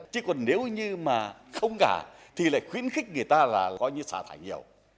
chứ còn nếu như mà không cả thì lại khuyến khích người ta là coi như xả thải nhiều